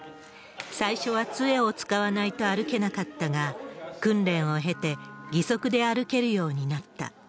最初はつえを使わないと歩けなかったが、訓練を経て義足で歩けるようになった。